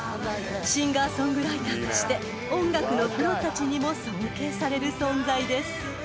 ［シンガー・ソングライターとして音楽のプロたちにも尊敬される存在です］